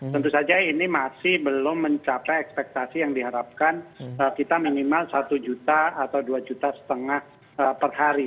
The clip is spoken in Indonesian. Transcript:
tentu saja ini masih belum mencapai ekspektasi yang diharapkan kita minimal satu juta atau dua juta setengah per hari